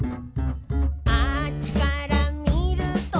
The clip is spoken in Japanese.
「あっちからみると」